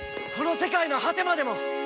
この世界の果てまでも！